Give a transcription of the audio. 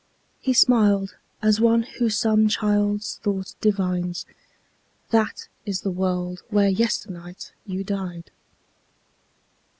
He smiled as one who some child's thought divines: "That is the world where yesternight you died."